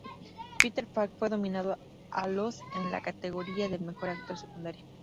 Peter Falk fue nominado a los en la categoría del mejor actor secundario.